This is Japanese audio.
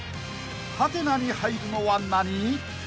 ［ハテナに入るのは何？］